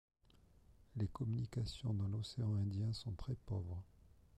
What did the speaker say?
Les communications dans l'océan Indien sont très pauvres.